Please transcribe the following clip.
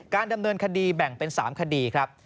ดำเนินคดีแบ่งเป็น๓คดีครับ